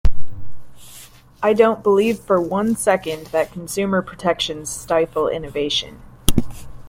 I don't believe for one second that consumer protections stifle innovation.